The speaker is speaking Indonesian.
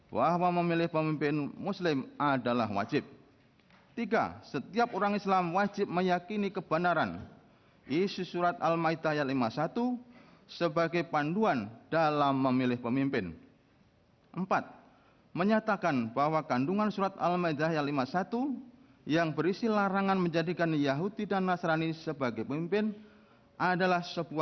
kepulauan seribu kepulauan seribu